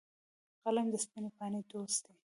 قلم د سپینې پاڼې دوست دی